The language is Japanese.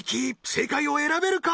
正解を選べるか？